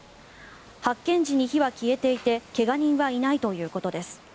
発見時に火は消えていて怪我人はいないということです。